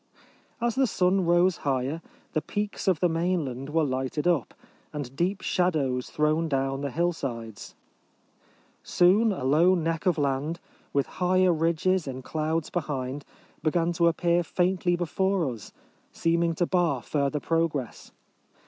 As the sun rose higher, the peaks of the mainland were lighted up, and deep shadows thrown down the hillsides. Soon a low neck of land, with higher ridges in clouds behind, began to appear faintly before us, seeming to bar further progress.